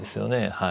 はい。